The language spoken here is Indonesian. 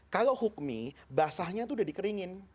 kalau hukmi basahnya itu udah dikeringin